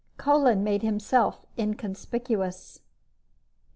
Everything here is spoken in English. Kolin made himself inconspicuous.